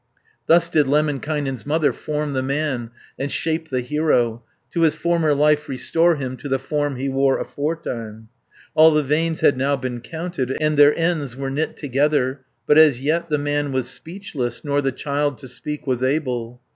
Thus did Lemminkainen's mother Form the man, and shape the hero To his former life restore him, To the form he wore aforetime. 380 All the veins had now been counted, And their ends were knit together, But as yet the man was speechless, Nor the child to speak was able.